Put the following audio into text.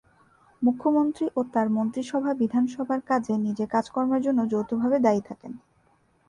মুখ্যমন্ত্রী ও তাঁর মন্ত্রিসভা বিধানসভার কাজে নিজের কাজকর্মের জন্য যৌথভাবে দায়ী থাকেন।